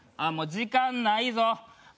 もう時間ないぞ。